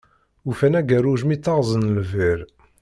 Ufan agerruj mi ttaɣzen lbir.